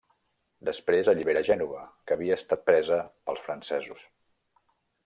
Després allibera Gènova, que havia estat presa pels francesos.